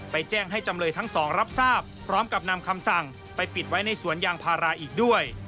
แจ้งให้จำเลยทั้งสองรับทราบพร้อมกับนำคำสั่งไปปิดไว้ในสวนยางพาราอีกด้วย